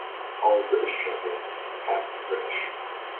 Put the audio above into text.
All British Champions have been British.